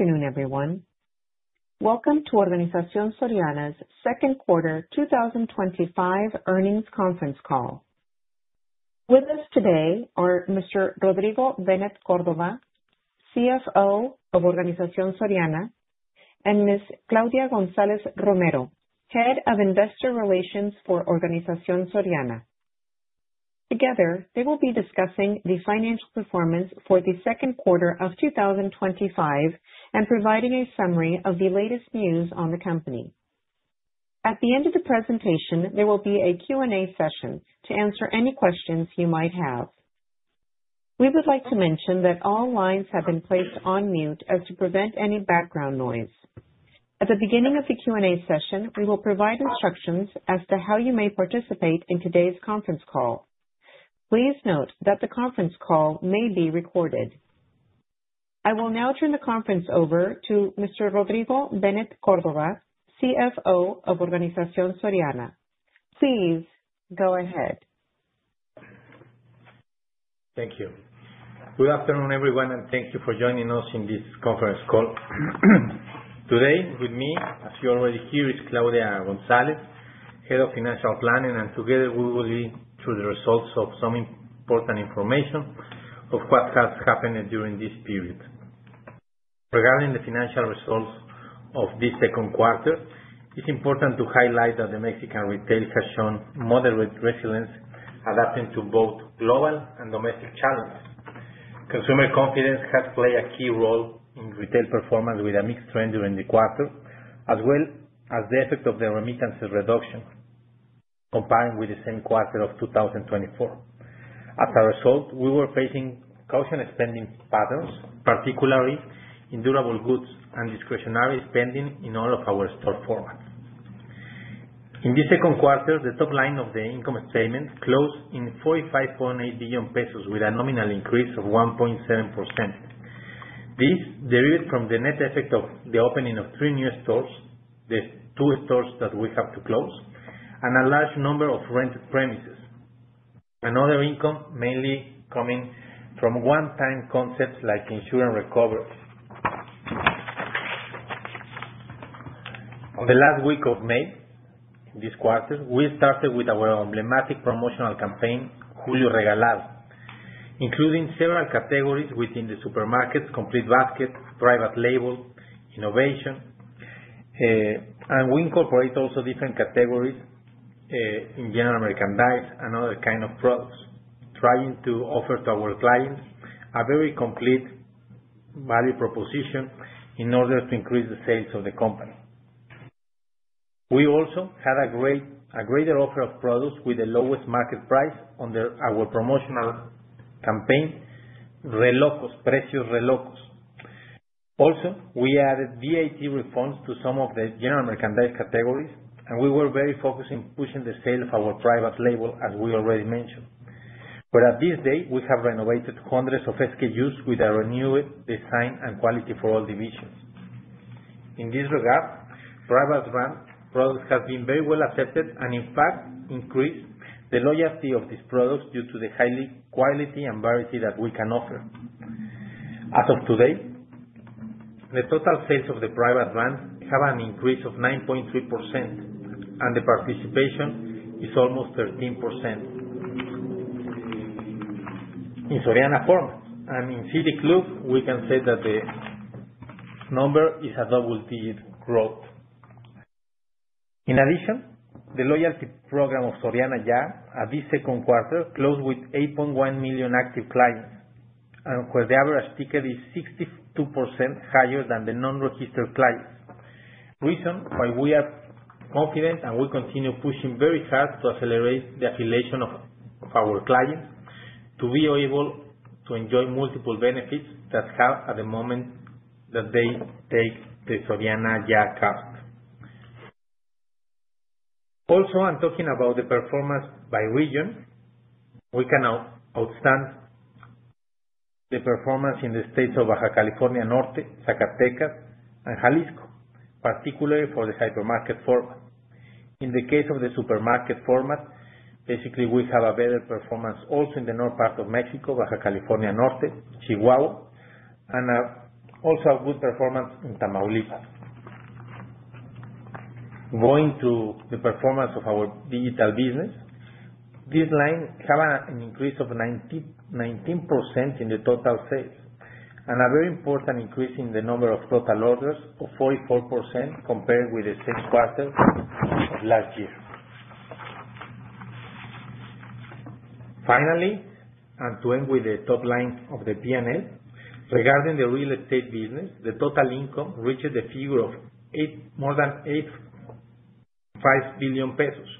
Good afternoon everyone. Welcome to Organización Soriana's second quarter 2025 earnings conference call. With us today are Mr. Rodrigo Benet Córdova, CFO of Organización Soriana, and Ms. Claudia González Romero, Head of Investor Relations for Organización Soriana. Together they will be discussing the financial performance for the second quarter of 2025 and providing a summary of the latest news on the company. At the end of the presentation, there will be a Q and A session to answer any questions you might have. We would like to mention that all lines have been placed on mute to prevent any background noise. At the beginning of the Q and A session, we will provide instructions as to how you may participate in today's conference call. Please note that the conference call may be recorded. I will now turn the conference over to Mr. Rodrigo Benet Córdova, CFO of Organización Soriana. Please go ahead. Thank you. Good afternoon everyone and thank you for joining us in this conference call today. With me, as you already hear, is Claudia González, Head of FInancial Planning, and together we will lead through the results of some important information of what has happened during this period. Regarding the financial results of this second quarter, it's important to highlight that the Mexican retail has shown moderate resilience, adapting to both global and domestic challenges. Consumer confidence has played a key role in retail performance with a mixed trend during the quarter as well as the effect of the remittances reduction combined with the same quarter of 2024. As a result, we were facing caution expending patterns particularly in durable goods and discretionary spending in all of our store formats. In the second quarter, the top line of the income statement closed in $45.8 billion pesos with a nominal increase of 1.7%. This derived from the net effect of the opening of three new stores, the two stores that we have to close and a large number of rented premises. Another income mainly coming from one time concepts like insurance recovery. On the last week of May this quarter we started with our emblematic promotional campaign Julio Regalado, including several categories within the supermarket's complete basket, private label innovation and we incorporate also different categories in general merchandise and other kind of products, trying to offer to our clients a very complete value proposition in order to increase the sales of the company. We also had a greater offer of products with the lowest market price under our promotional campaign Precios Relocos. Also we added VAT refunds to some of the general merchandise categories and we were very focused in pushing the sale of our private label. As we already mentioned, but at this date we have renovated hundreds of SKUs with a renewed design and quality for all divisions. In this regard, private label products have been very well accepted and in fact increase the loyalty of these products due to the high quality and variety that we can offer. As of today, the total sales of the private label have an increase of 9.3% and the participation is almost 13%. In Soriana format and in CDC loop we can say that the number it has doubledouble-digit growth. In addition, the loyalty program of Soriana Ya at this second quarter closed with 8.1 million active clients where the average ticket is 62% higher than the non-registered clients. Reason why we are confident and we continue pushing very hard to accelerate the affiliation of our clients to be able to enjoy multiple benefits that have at the moment that they take the Soriana Ya card. Also I'm talking about the performance by region. We can outstand the performance in the states of Baja California Norte, Zacatecas, and Jalisco, particularly for the hypermarket format. In the case of the supermarket format, basically we have a better performance also in the north part of Mexico, Baja California Norte, Chihuahua, and also a good performance in Tamaulipas. Going to the performance of our digital business, this line had an increase of 19% in the total sales and a very important increase in the number of total orders of 44% compared with the same quarter of last year. Finally, and to end with the top line of the P&L regarding the real estate business, the total income reaches a figure of more than 5 billion pesos,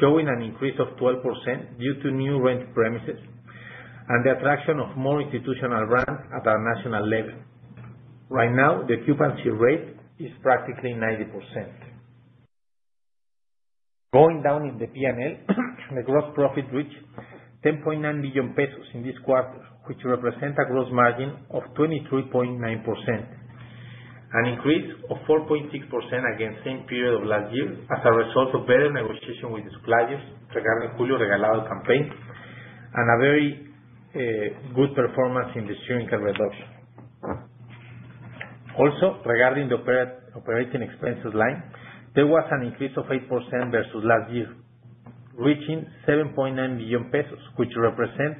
showing an increase of 12% due to new rent premises and the attraction of more institutional rent at our national level. Right now the occupancy rate is practically 90%. Going down in the P&L, the gross profit reached 10.9 billion pesos in this quarter which represents a gross margin of 23.9%, an increase of 4.6% against the same period of last year as a result of better negotiations with suppliers regarding Julio Regalado campaign and a very good performance in the shrinkage reduction. Also regarding the operating expenses line, there was an increase of 8% versus last year reaching 7.9 million pesos which represents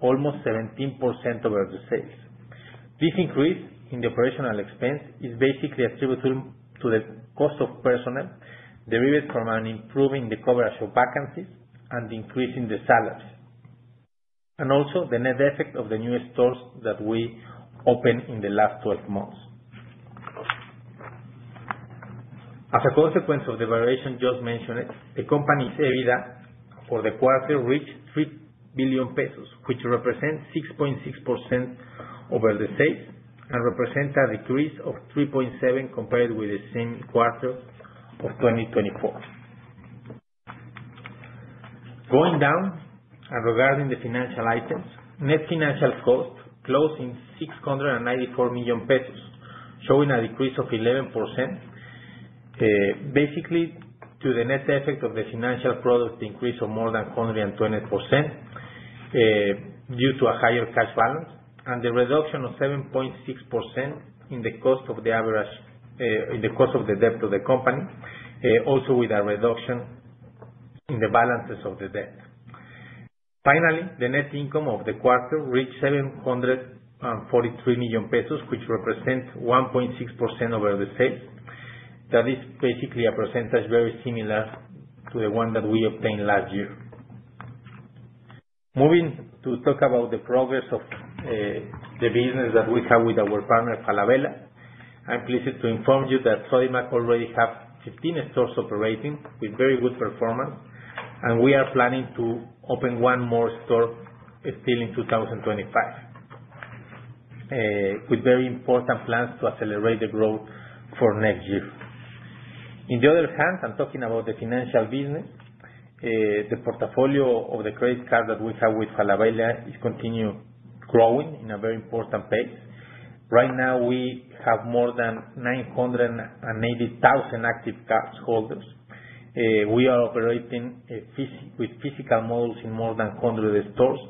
almost 17% of the sales. This increase in the operational expense is basically attributable to the cost of personnel derived from improving the coverage of vacancies and increasing the salaries and also the net effect of the new stores that we opened in the last 12 months. As a consequence of the variation just mentioned, the company's EBITDA for the quarter reached 3 billion pesos, which represents 6.6% over the sales and represents a decrease of 3.7% compared with the same quarter of 2024. Going down, regarding the financial items, net financial cost closed in 694 million pesos, showing a decrease of 11% basically to the net effect of the financial product increase of more than 120% due to a higher cash balance and the reduction of 7.6% in the cost of the average in the cost of the debt to the company. Also with a reduction in the balances of the debt. Finally, the net income of the quarter reached 743 million pesos, which represents 1.6% over the sale. That is basically a percentage very similar to the one that we obtained last year. Moving to talk about the progress of the business that we have with our partner Falabella, I'm pleased to inform you that Sodimac already have 15 stores operating with very good performance and we are planning to open one more store still in 2025 with very important plans to accelerate the growth for next year. On the other hand, I'm talking about the financial business. The portfolio of the credit card that we have with Falabella is continue growing in a very important pace. Right now we have more than 980,000 active cardholders. We are operating with physical models in more than 100 stores.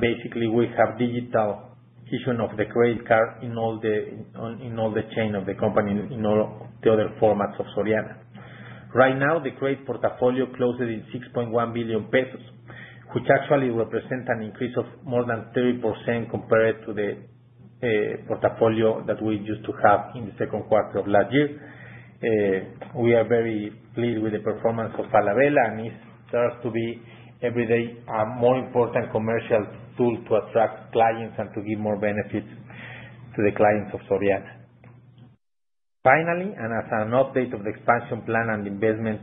Basically we have digital vision of the credit card in all the chain of the company, in all the other formats of Soriana. Right now the credit portfolio closes in 6.1 billion pesos, which actually represent an increase of more than 30% compared to the portfolio that we used to have in the second quarter of last year. We are very pleased with the performance of Falabella and it starts to be every day a more important commercial tool to attract clients and to give more benefits to the clients of Soriana. Finally, and as an update of the expansion plan and investment,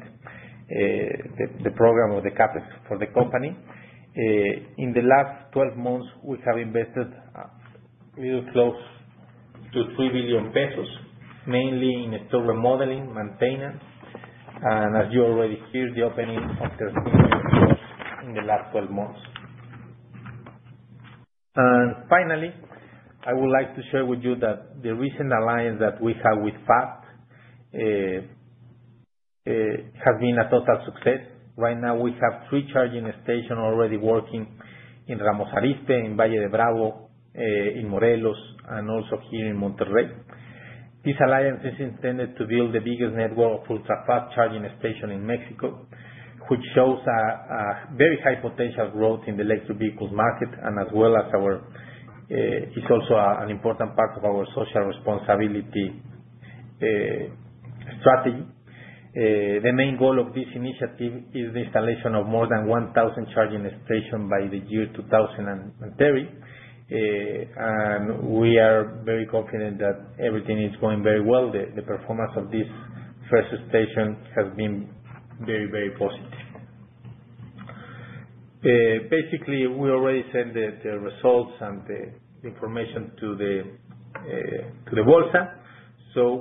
the program of the CapEx for the company in the last 12 months we have invested close to 3 billion pesos, mainly in store remodeling, maintenance and as you already hear, the opening of 13 stores in the last 12 months. Finally, I would like to share with you that the recent alliance that we have with FAZT has been a total success. Right now we have three charging stations already working in Ramos Arizpe, in Valle de Bravo, in Morelos and also here in Monterrey. This alliance is intended to build the biggest network of ultra-fast charging stations in Mexico, which shows very high potential growth in the electric vehicle market. It is also an important part of our social responsibility. The main goal of this initiative is the installation of more than 1,000 charging stations by the year 2030. We are very confident that everything is going very well. The performance of this first station has been very, very positive. Basically, we already send the results and the information to the Bolsa.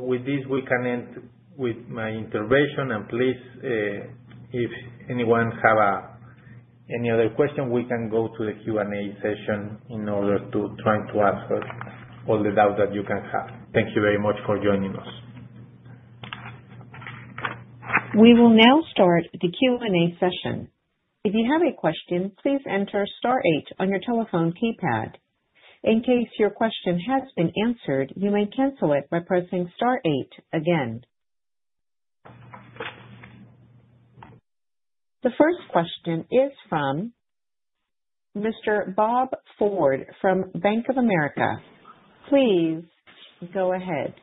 With this, we can end with my intervention. Please, if anyone have any other question, we can go to the Q and A session in order to try to answer all the doubts that you can have. Thank you very much for joining us. We will now start the Q and A session. If you have a question, please enter star eight on your telephone keypad. In case your question has been answered, you may cancel it by pressing star eight again. The first question is from Mr. Bob Ford from Bank of America. Please go ahead.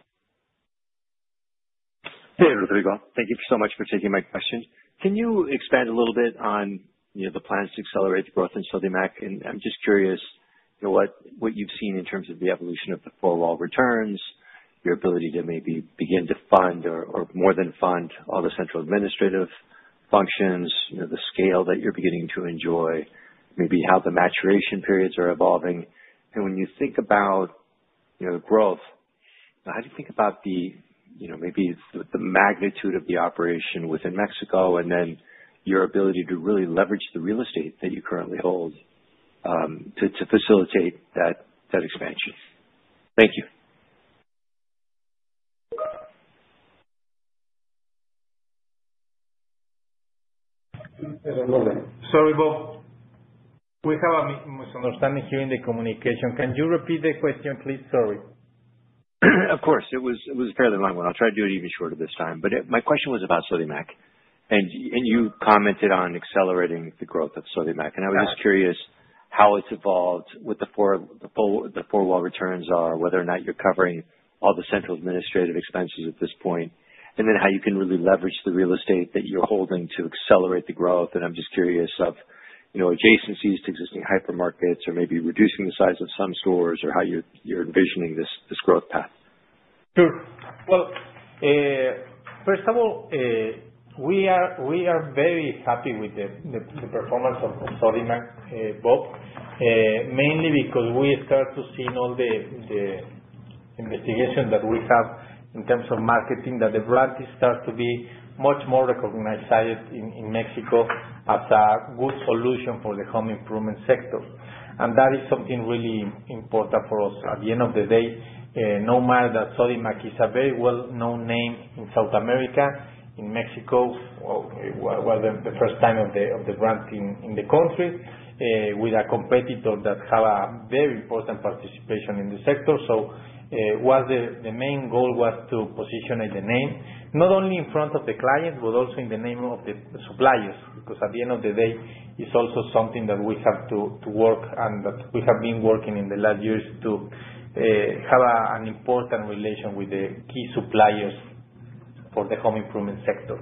Hey, Rodrigo, thank you so much for taking my question. Thank you. Can you expand a little bit on the plans to accelerate the growth in Sodimac? I'm just curious what you've seen in terms of the evolution of the four wall returns, your ability to maybe begin to fund or more than fund all the central administrative functions, the scale that you're beginning to enjoy, maybe how the maturation periods are evolving. When you think about growth, how do you think about the magnitude of the operation within Mexico, and then your ability to really leverage the real estate that you currently hold to facilitate that expansion. Thank you. Sorry, Bob, we have a misunderstanding here in the communication. Can you repeat the question, please? Sorry. Of course, it was a fairly long one. I'll try to do it even shorter this time. My question was about Sodimac and you commented on accelerating the growth of Sodimac. I was just curious how it's evolved with the four wall returns or whether or not you're covering all the central administrative expenses at this point, and then how you can really leverage the real estate that you're holding to accelerate the growth. I'm just curious of adjacencies to existing hypermarkets or maybe reducing the size of some stores or how you're envisioning this growth path. Sure. First of all, we are very happy with the performance of Sodimac, Bob, mainly because we start to see all the investigation that we have in terms of marketing, that the brand starts to be much more recognized in Mexico as a good solution for the improvement sector. That is something really important for us. At the end of the day, no matter that Sodimac is a very well known name in South America, in Mexico, the first time of the brand in the country with a competitor that has a very important participation in the sector. The main goal was to position the name not only in front of the client but also in the name of the suppliers. At the end of the day it's also something that we have to work and that we have been working in the last years to have an important relation with the key suppliers for the home improvement sector.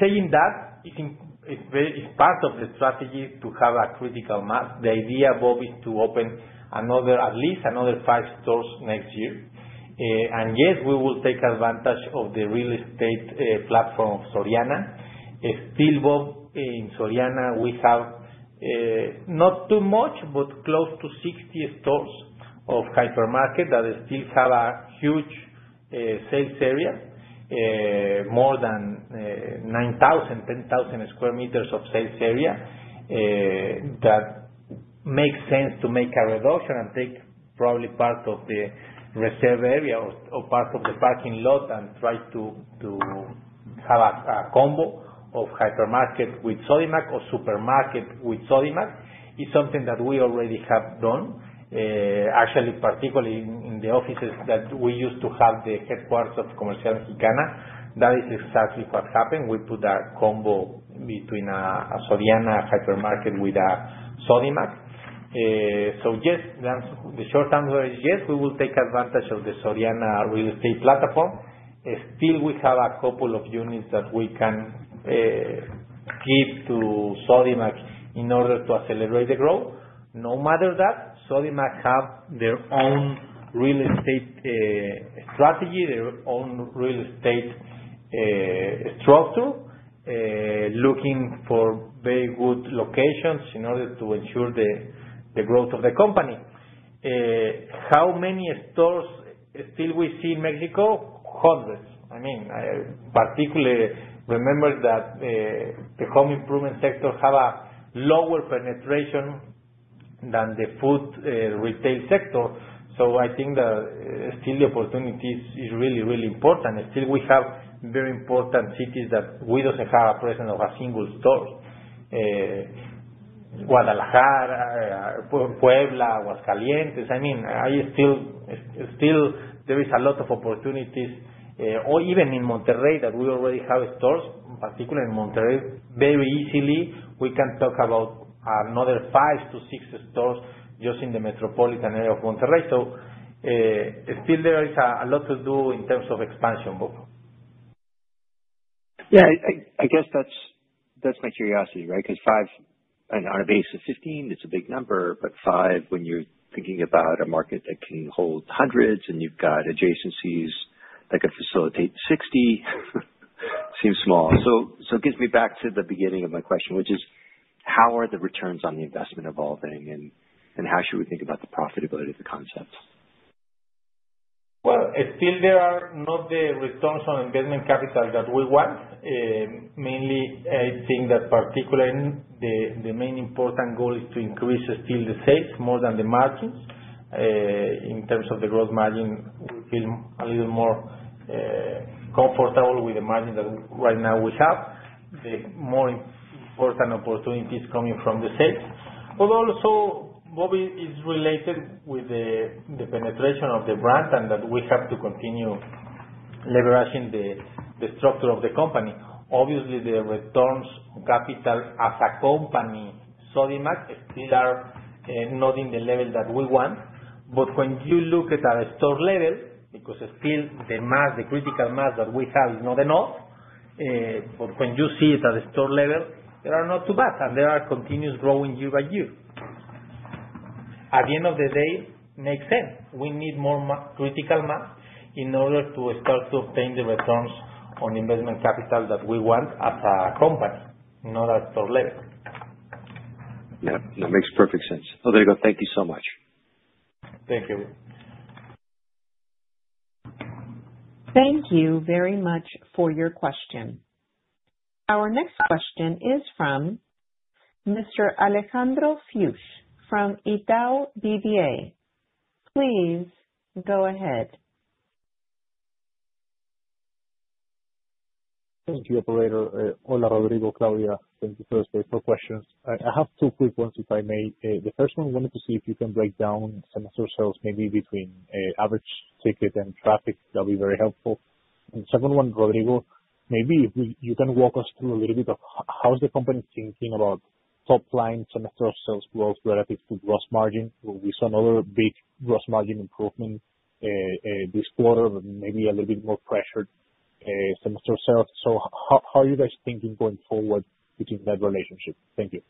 Saying that, it's part of the strategy to have a critical mass. The idea, Bob, is to open at least another five stores next year. Yes, we will take advantage of the real estate platform of Soriana. Still, Bob, in Soriana we have not too much but close to 60 stores of hypermarket that still have a huge sales area, more than 9,000, 10,000 sq m of sales area. That makes sense to make a reduction and take probably part of the reserve area or part of the parking lot and try to have a combo of hypermarket with Sodimac or supermarket with Sodimac. It is something that we already have done actually, particularly in the offices that we used to have, the headquarters of Comercial Mexicana. That is exactly what happened. We put a combo between a Soriana hypermarket with a Sodimac. Yes, the short answer is yes, we will take advantage of the Soriana real estate platform. Still, we have a couple of units that we can give to Sodimac in order to accelerate the growth. No matter that Sodimac has their own real estate strategy, their own real estate structure, looking for very good locations in order to ensure the growth of the company. How many stores still we see in Mexico? Hundreds. I mean, particularly remember that the home improvement sector has a lower penetration than the food retail sector. I think that still the opportunity is really, really important. Still, we have very important cities where we don't have a presence of a single store: Guadalajara, Puebla, Aguascalientes. There is a lot of opportunity, or even in Monterrey, where we already have stores. Particularly in Monterrey, very easily we can talk about another five to six stores just in the metropolitan area of Monterrey. There is a lot to do in terms of expansion. Yeah, I guess that's my curiosity. Right, because five on a base of 15, it's a big number. Five when you're thinking about a market that can hold hundreds and you've got adjacencies that could facilitate 60 seems small. So. It gets me back to the beginning of my question, which is how are the returns on invested capital evolving and how should we think about the profitability of the concepts? There are not the returns on invested capital that we want. Mainly, I think that particularly the main important goal is to increase still the sales more than the margins in terms of the gross margin. We feel a little more comfortable with the margin that right now we have. The more important opportunities are coming from the sales. Also, it is related with the penetration of the brand and that we have to continue leveraging the structure of the company. Obviously, the returns on capital as a company still are not at the level that we want. When you look at our store level, because still the mass, the critical mass that we have is not enough. When you see it at the store level, they are not too bad and they are continuously growing year by year. At the end of the day, it makes sense. We need more critical mass in order to start to obtain the returns on invested capital that we want as a company, not at store level. That makes perfect sense. Thank you so much. Thank you. Thank you very much for your question. Our next question is from Mr. Alejandro Fuchs from Itaú BBA. Please go ahead. Thank you, operator. Hola, Rodrigo. Claudia, thank you for questions. I have two quick ones, if I may. The first one, wanted to see if you can break down semester sales maybe between average ticket and traffic. That'll be very helpful. The second one, Rodrigo, maybe if you can walk us through a little bit of how is the company thinking about top line semester sales growth relative to gross margin? We saw another big gross margin improvement this quarter, maybe a little bit more pressure sales. How are you guys thinking going forward between that relationship? Thank you.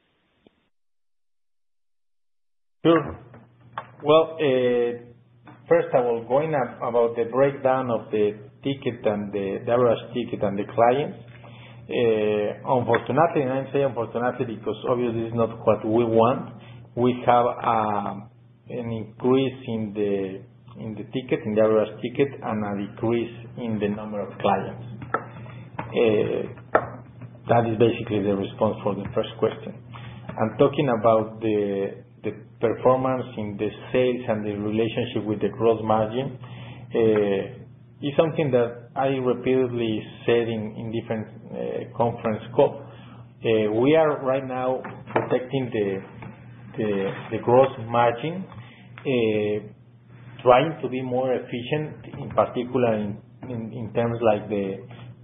Sure. First of all, going up about the breakdown of the ticket and the average ticket and the clients, unfortunately, and I say unfortunately because obviously it's not what we want, we have an increase in the ticket, in the average ticket and an increase in the number of clients. That is basically the response for the first question. Talking about the performance in the sales and the relationship with the gross margin is something that I repeatedly said in different conference scope. We are right now protecting the gross margin, trying to be more efficient in particular in terms like the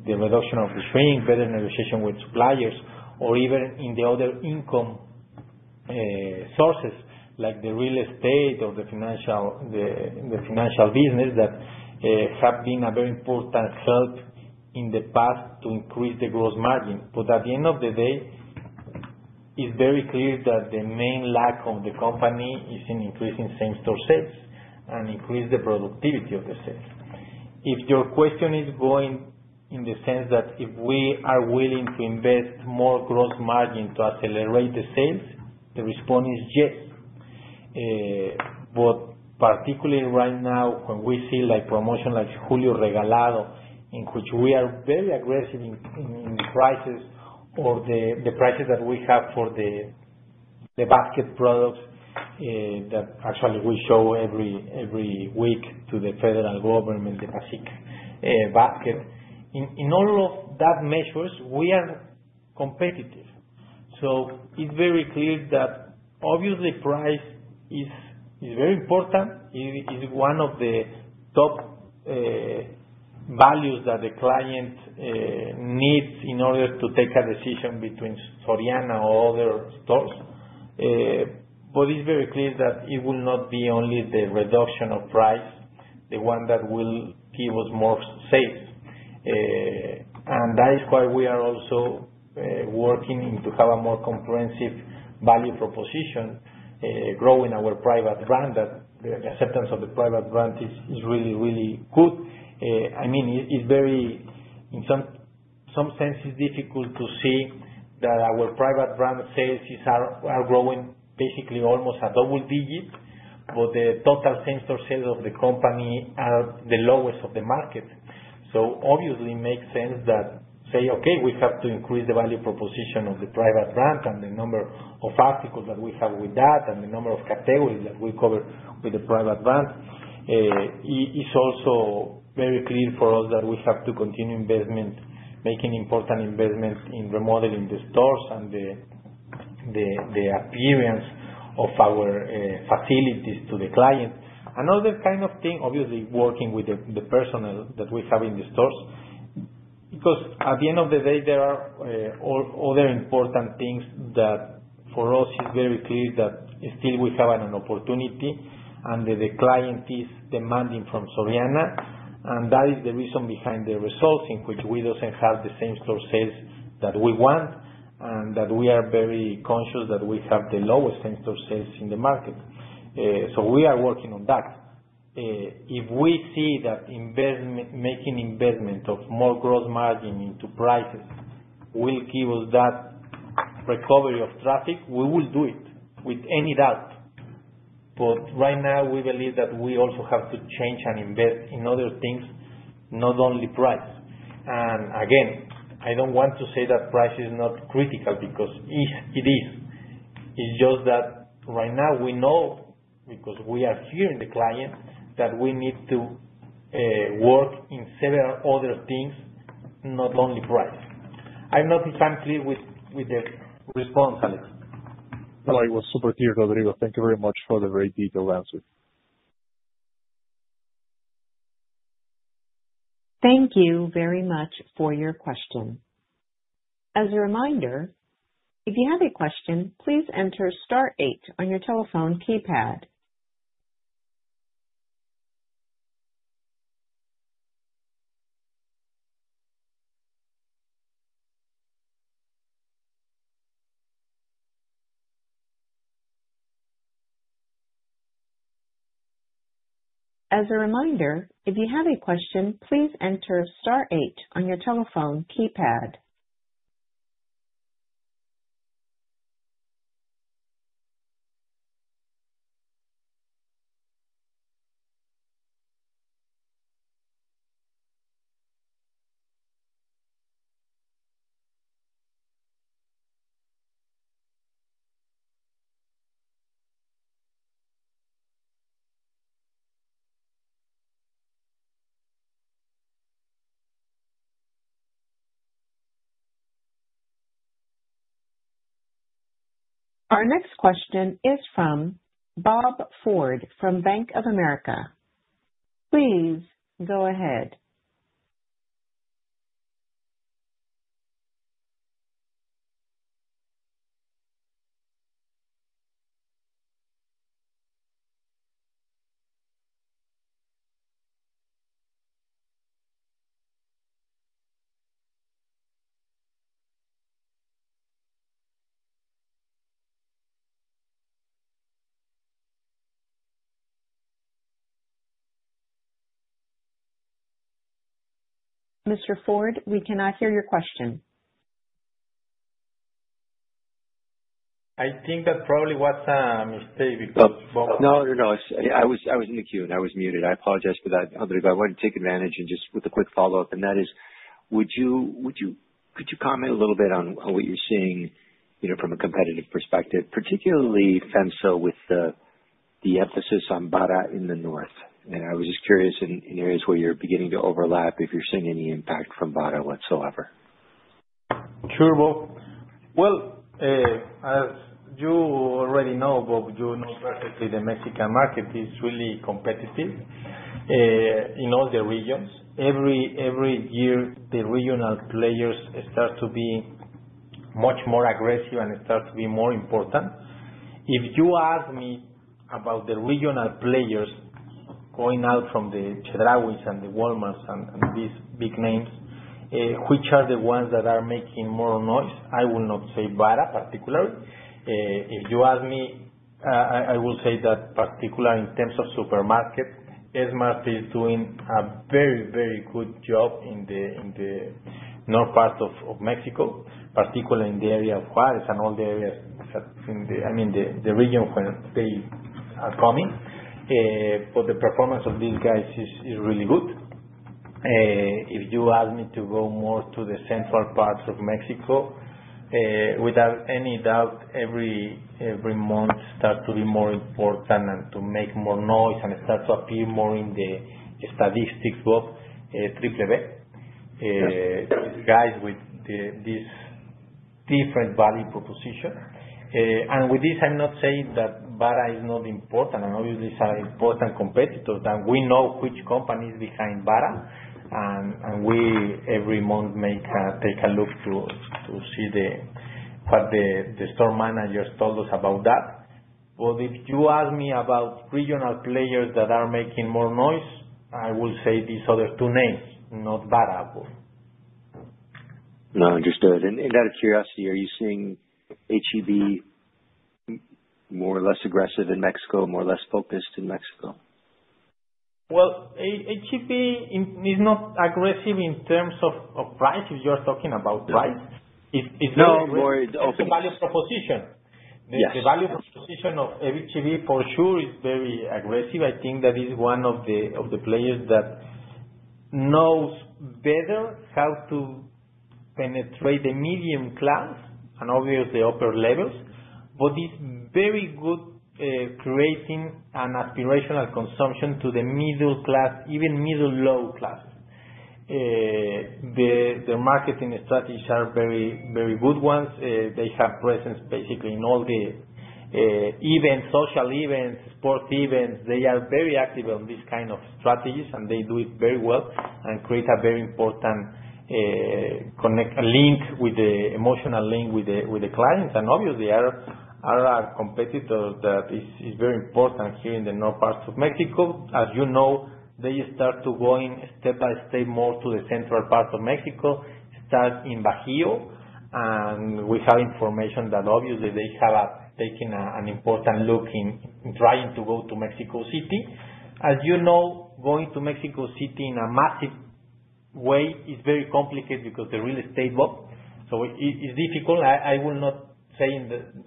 reduction of the shrink, better negotiation with suppliers or even in the other income sources like the real estate or the financial business that have been very important in the past to increase the gross margin. At the end of the day it's very clear that the main lack of the company is in increasing same-store sales and increase the productivity of the sales. If your question is going in the sense that if we are willing to invest more gross margin to accelerate the sales, the response is, yes, we. Particularly right now when we see like promotion like Julio Regalado, in which we are very aggressive in prices, or the prices that we have for the basket products that actually we show every week to the federal government, the basic basket, in all of that measures, we are competitive. It is very clear that obviously price is very important. It is one of the top values that the client needs in order to take a decision between Soriana or other stores. It is very clear that it will not be only the reduction of price, the one that will give us more sales. That is why we are also working to have a more comprehensive value proposition, growing our private label. That acceptance of the private label is really, really good. I mean, it's very. In some sense, it's difficult to see that our private label sales are growing basically almost a double digit, but the total same-store sales of the company are the lowest of the market. Obviously it makes sense that say, okay, we have to increase the value proposition of the private label and the number of articles that we have with that and the number of categories that we cover with the private label. It's also very clear for us that we have to continue investment, making important investment in remodeling the stores and the appearance of our facilities to the client. Another kind of thing, obviously working with the personnel that we have in the stores, because at the end of the day, there are other important things that for us is very clear that still we have an opportunity and the client is demanding from Soriana. That is the reason behind the results in which we don't have the same-store sales that we want, and we are very conscious that we have the lowest end same-store sales in the market. We are working on that. If we see that making investment of more gross margin into prices will give us that recovery of traffic, we will do it without any doubt. Right now we believe that we also have to change and invest in other things, not only price. Again, I don't want to say that price is not critical, because it is. It's just that right now we know, because we are hearing the client, that we need to work in several other things, not only price. I don't know if I'm clear with the response, Alex. No, it was super clear. Rodrigo, thank you very much for the very detailed answer. Thank you very much for your question. As a reminder, if you have a question, please enter star eight on your telephone keypad. As a reminder, if you have a question, please enter star eight on your telephone keypad. It. Our next question is from Bob Ford from Bank of America. Please go ahead, Mr. Ford. We cannot hear your question. I think that probably was a mistake because. I was in the queue and I was muted. I apologize for that. I wanted to take advantage and just with a quick follow up. Would you, would you, could you. Comment a little bit on what you're seeing from a competitive perspective, particularly FEMSA with the emphasis on Bara in the north. I was just curious in areas where you're beginning to overlap if you're seeing any impact from Bara whatsoever. Sure, Bob. As you already know, Bob, you know perfectly the Mexican market is really competitive in all the regions. Every year the regional players start to be much more aggressive and start to be more important. If you ask me about the regional players going out from the Chedrauis and the Walmarts and these big names, which are the ones that are making more noise, I will not say Bara particularly. If you ask me. I will say that, particularly in terms of supermarket, (S-mart) is doing a very, very good job in the north part of Mexico, particularly in the area of Juarez and all the areas, I mean the region where they are coming. The performance of these guys is really good. If you ask me to go more to the central parts of Mexico, without any doubt, every month, they start to be more important and to make more noise and start to appear more in the statistics of triple B guys with this different value proposition and with this. I'm not saying that Bara is not important and obviously important competitors, and we know which company is behind Bara, and we every month take a look to see what the store managers told us about that. If you ask me about regional players that are making more noise, I will say these other two names. Not Bara. Out of curiosity, are you seeing H-E-B more or less aggressive in Mexico? More or less focused in Mexico? H-E-B is not aggressive in terms of price, if you're talking about. Right, no more value proposition. The value proposition of H-E-B for sure is very aggressive. I think that is one of the players that knows better how to penetrate the middle class and obviously upper levels. It's very good creating an aspirational consumption to the middle class, even middle low class. Their marketing strategies are very, very good ones. They have presence basically in all the events, social events, sports events. They are very active on this kind of strategies and they do it very well and create a very important link, an emotional link with the clients and obviously are our competitor. That is very important here in the north parts of Mexico. As you know, they start to going step by step more to the central part of Mexico, start in Bajío, and we have information that obviously they have taken an important look in trying to go to Mexico City. As you know, going to Mexico City in a massive way is very complicated because the real estate, so it's difficult. I will not say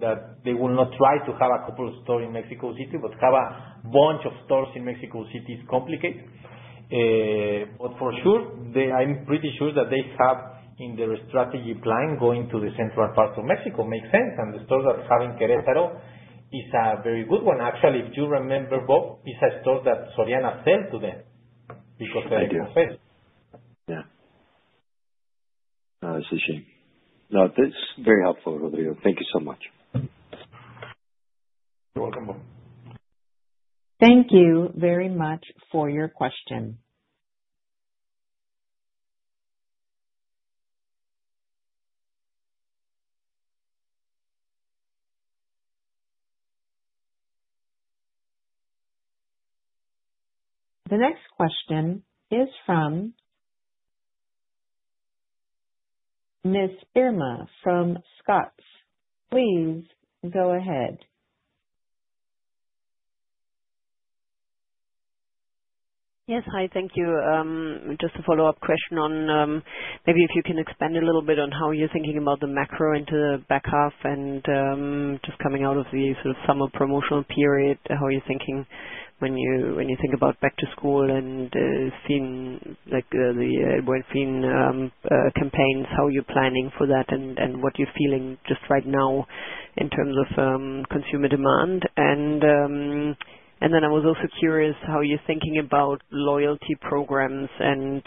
that they will not try to have a couple of stores in Mexico City, but have a bunch of stores in Mexico City is complicated. For sure, I'm pretty sure that they have in their strategy plan going to the central part of Mexico makes sense and the strategy stores that are having in Querétaro is a very good one. Actually, if you remember, Bob, it's a store that Soriana sold to them because. Yeah. It's a shame. No, that's very helpful. Rodrigo, thank you so much. You're welcome. Thank you very much for your question. The next question is from Ms. Irma from (Sachs). Please go ahead. Yes, thank you. Just a follow-up question on maybe if you can expand a little bit on how you're thinking about the macro into the back half and just coming out of the sort of summer promotional period. How are you thinking when you think about back to school and the campaigns, how you're planning for that, and what you're feeling just right now in terms of consumer demand? I was also curious how you're thinking about loyalty programs and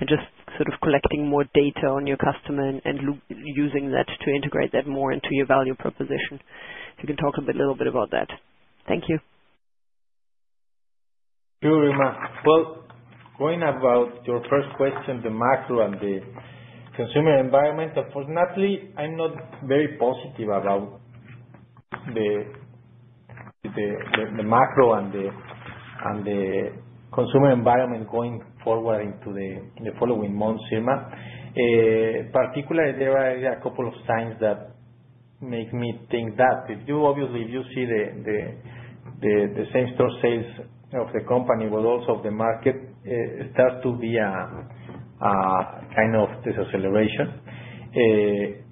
just sort of collecting more data on your customer and using that to integrate that more into your value proposition. You can talk a little bit about that. Thank you. Irma. Going about your first question, the macro and the consumer environment. Unfortunately, I'm not very positive about the macro and the consumer environment going forward into the following months Irma, particularly there are a couple of signs that make me think that if you obviously if you see the same-store sales of the company but also of the market, you start to see a kind of deceleration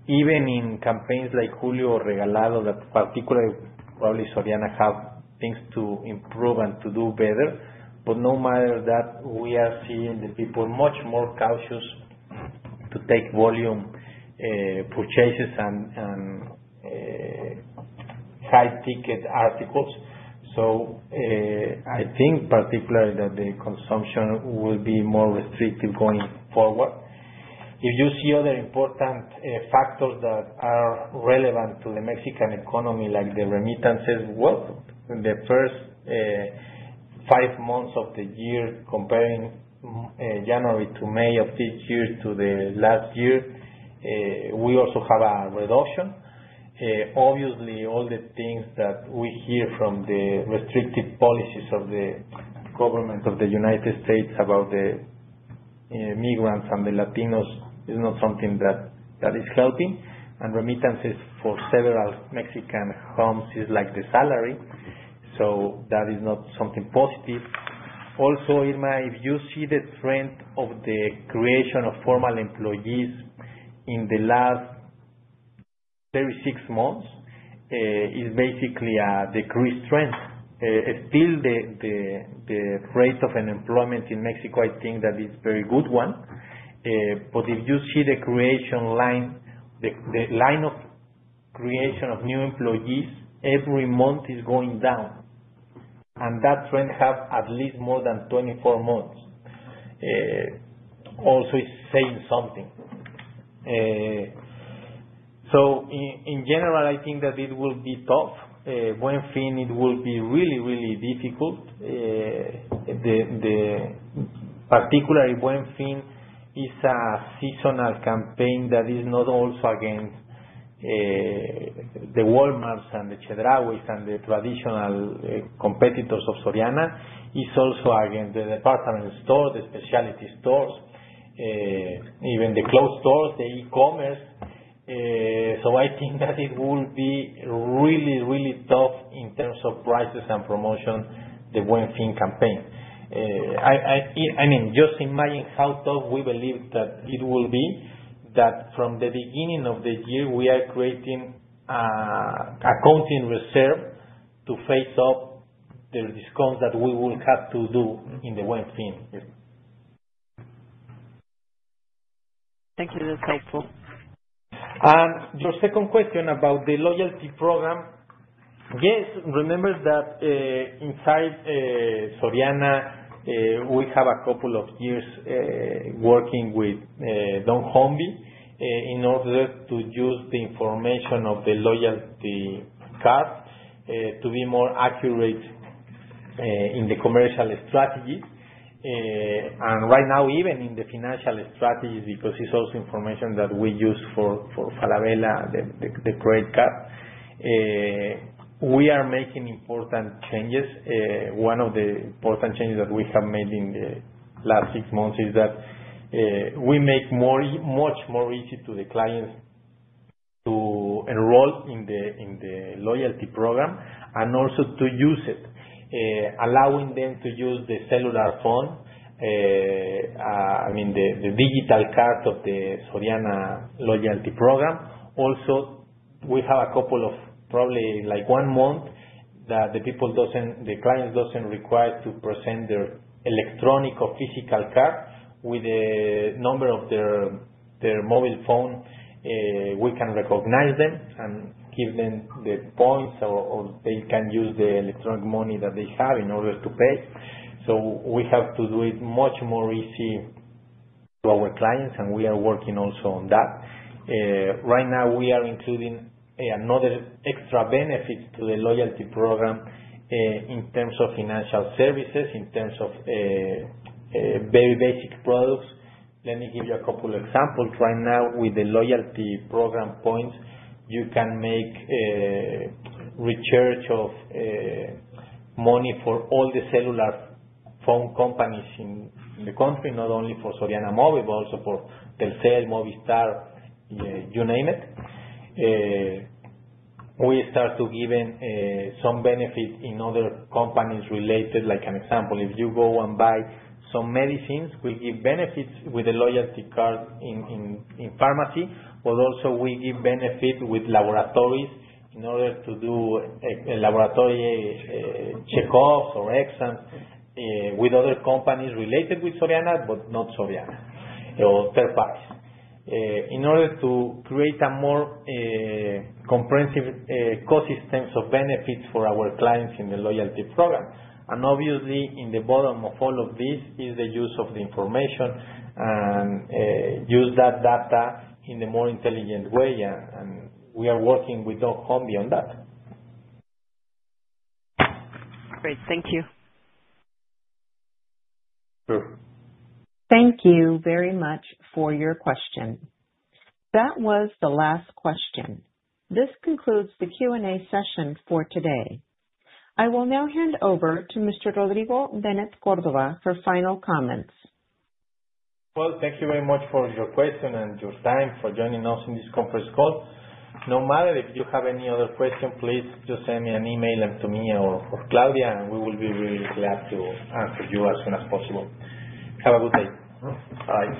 even in campaigns like Julio Regalado that particularly probably Soriana has things to improve and to do better. No matter that, we are seeing the people much more cautious to take volume purchases and high ticket articles. I think particularly that the consumption will be more restrictive going forward. If you see other important factors that are relevant to the Mexican economy like the remittances, the first five months of the year, comparing January to May of this year to last year, we also have a reduction. Obviously, all the things that we hear from the restrictive policies of the government of the United States about the migrants and the Latinos is not something that is helping. Remittances for several Mexican homes is like the salary. That is not something positive. Also, Irma, if you see the trend of the creation of formal employees in the last 36 months, it is basically a decreased trend. Still, the rate of unemployment in Mexico, I think that is a very good one. If you see the creation line, the line of creation of new employees every month is going down and that trend has at least more than 24 months. Also, it's saying something. In general, I think that it will be tough. Buen Fin will be really, really difficult. Particularly, Buen Fin is a seasonal campaign that is not also against the Walmarts and the Chedrauis and the traditional competitors of Soriana. It's also against the department store, the specialty stores, even the clothes stores, the e-commerce. I think that it will be really, really tough in terms of prices and promotion the Buen Fin campaign. I mean, just imagine how tough we believe that it will be that from the beginning of the year we are creating accounting reserve to face up the discount that we will have to do in the Buen Fin. Thank you, that's helpful. Your second question about the loyalty program. Yes. Remember that inside Soriana we have a couple of years working with Dunnhumby in order to use the information of the loyalty, the cut to be more accurate in the commercial strategy and right now even in the financial strategy because it's also information that we use for Falabella, the credit card. We are making important changes. One of the important changes that we have made in the last six months is that we make it much more easy to the clients to enroll in the loyalty program and also to use it, allowing them to use the cellular phone, I mean the digital card of the Soriana loyalty program. Also, we have a couple of probably like one month that the people doesn't. The client doesn't require to present their electronic or physical card. With the number of their mobile phone, we can recognize them and give them the points or they can use the electronic money that they have in order to pay. We have to do it much more easy to our clients and we are working also on that. Right now we are including another extra benefit to the loyalty program in terms of financial services, in terms of very basic products. Let me give you a couple examples. Right now with the loyalty program points you can make recharge of money for all the cellular phone companies in the country, not only for Soriana Móvil but also for Telcel, Movistar, you name it. We start to give some benefit in other companies related, like an example if you go and buy some medicines we give benefits with a loyalty card in pharmacy but also we give benefit with laboratories in order to do laboratory check offs or exams with other companies related with Soriana but not Soriana or third party in order to create a more comprehensive ecosystems of benefits for our clients in the loyalty program. Obviously, in the bottom of all of this is the use of the information and use that data in a more intelligent way and we are working with Dunnhumby beyond that. Great. Thank you. Thank you very much for your question. That was the last question. This concludes the Q and A session for today. I will now hand over to Mr. Rodrigo Benet Córdova for final comments. Thank you very much for your question and your time for joining us in this conference call. If you have any other question, please just send me an e-mail to me or Claudia and we will be really glad to answer you as soon as possible. Have a good day. Bye.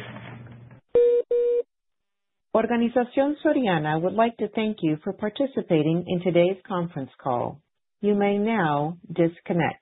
Organización Soriana would like to thank you for participating in today's conference call. You may now disconnect.